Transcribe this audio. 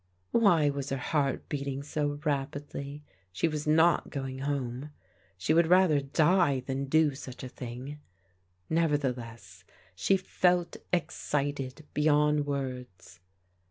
Why was her heart beating so rapidly? She was not going home. She would rather die than do such a thing. Nevertheless, she felt excited beyond words.